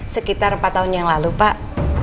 sekitar empat tahun yang lalu pak